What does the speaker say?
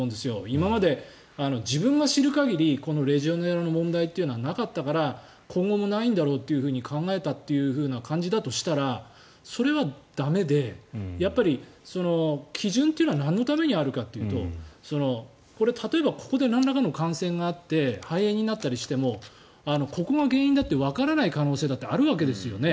今まで自分が知る限りレジオネラの問題というのはなかったから今後もないんだろうというふうに考えたという感じだとしたらそれは駄目でやっぱり基準というのは何のためにあるかというとこれは例えばここでなんらかの感染があって肺炎になったりしてもここが原因だってわからない可能性もあるわけですよね。